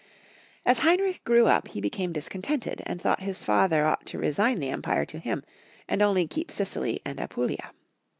As Heinrich grew up he became discontented, and thought his father ought to resign the empire to him, and only keep Sicily and Apulia.